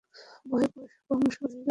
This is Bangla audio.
ভয়ে পাংশু হয়ে গেছে!